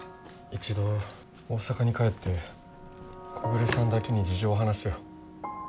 一度大阪に帰って木暮さんだけに事情を話すよ。